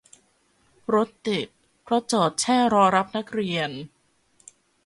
รถติดเพราะจอดแช่รอรับนักเรียน